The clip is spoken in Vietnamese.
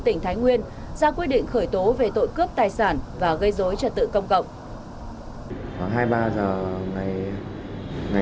tỉnh thái nguyên ra quyết định khởi tố về tội cướp tài sản và gây dối trật tự công cộng